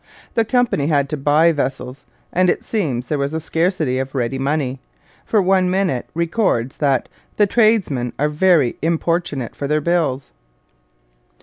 The Company had to buy vessels; and it seems there was a scarcity of ready money, for one minute records that 'the tradesmen are very importunate for their bills.'